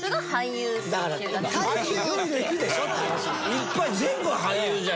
いっぱい全部俳優じゃんだって。